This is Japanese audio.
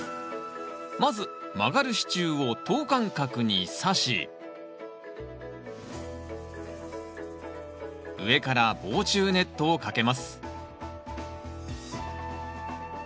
まず曲がる支柱を等間隔にさし上から防虫ネットをかけます